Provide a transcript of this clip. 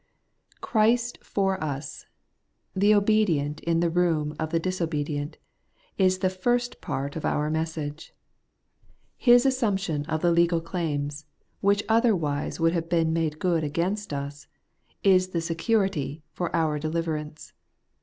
' /Christ for us/ the obedient in the room of the ^^ disobedient, is the first part of our message. His assumption of the legal claims, which other wise would have been made good against us, is the security for our deliverance.